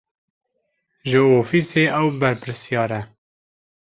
Ji ofîsê ew berpirsiyar e.